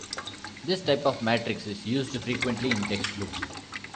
This type of matrix is used frequently in textbooks.